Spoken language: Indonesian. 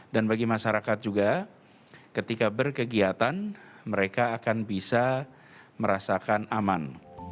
dan bagi masyarakat juga ketika berkegiatan mereka akan bisa merasakan aman